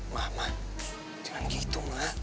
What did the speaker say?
mama jangan gitu ma